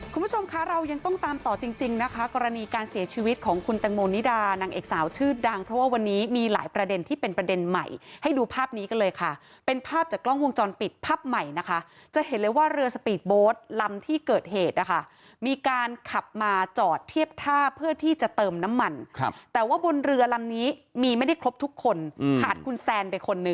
คุณผู้ชมคะเรายังต้องตามต่อจริงจริงนะคะกรณีการเสียชีวิตของคุณตังโมนิดานางเอกสาวชื่อดังเพราะว่าวันนี้มีหลายประเด็นที่เป็นประเด็นใหม่ให้ดูภาพนี้กันเลยค่ะเป็นภาพจากกล้องวงจรปิดภาพใหม่นะคะจะเห็นเลยว่าเรือสปีดโบสต์ลำที่เกิดเหตุนะคะมีการขับมาจอดเทียบท่าเพื่อที่จะเติมน้ำมันครับแต่ว่าบนเรือลำนี้มีไม่ได้ครบทุกคนขาดคุณแซนไปคนนึ